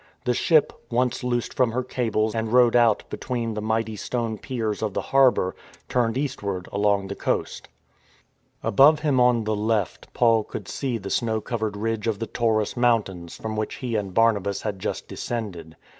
The ship, once loosed from her cables and rowed out between the mighty stone piers of the harbour, turned eastward along the coast. Above him, on the left, Paul could see the snow covered ridge of the Taurus mountains, from which he and Barnabas had just descended.